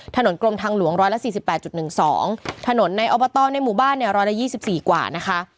ถนนกรมทางหลวงร้อยละสี่สิบแปดจุดหนึ่งสองถนนในในหมู่บ้านเนี้ยร้อยละยี่สิบสี่กว่านะคะ